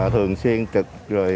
thường xuyên trực